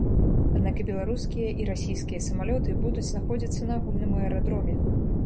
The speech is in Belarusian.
Аднак, і беларускія, і расійскія самалёты будуць знаходзіцца на агульным аэрадроме.